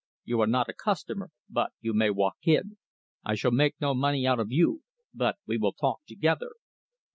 You are not a customer, but you may walk in. I shall make no money out of you, but we will talk together."